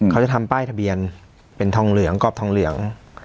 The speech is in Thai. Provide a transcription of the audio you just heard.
เขาจะทำป้ายทะเบียนเป็นทองเหลืองกรอบทองเหลือง